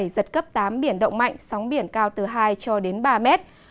giật cấp tám biển động mạnh sóng biển cao từ hai cho đến ba mét